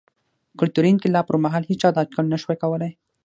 کلتوري انقلاب پر مهال هېچا دا اټکل نه شوای کولای.